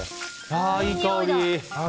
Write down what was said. ああ、いい香り！